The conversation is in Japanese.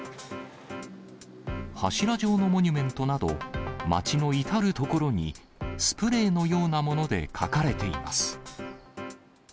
柱状のモニュメントなど、街の至る所にスプレーのようなもので描かれています。